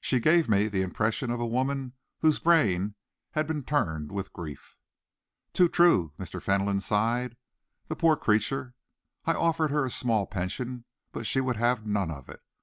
"She gave me the impression of a woman whose brain had been turned with grief." "Too true," Mr. Fentolin sighed. "The poor creature! I offered her a small pension, but she would have none of it.